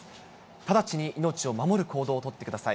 直ちに命を守る行動を取ってください。